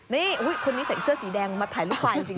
นี่คนนี้ใส่เสื้อสีแดงมาถ่ายรูปควายจริง